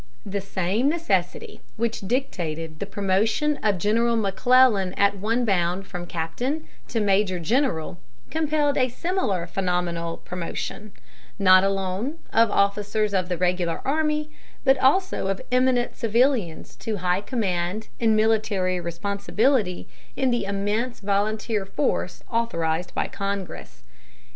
The same necessity which dictated the promotion of General McClellan at one bound from captain to major general compelled a similar phenomenal promotion, not alone of officers of the regular army, but also of eminent civilians to high command and military responsibility in the immense volunteer force authorized by Congress.